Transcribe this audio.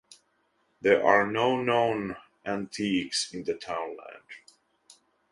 There are no known antiquities in the townland.